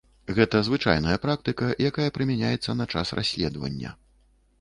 Гэта звычайная практыка, якая прымяняецца на час расследавання.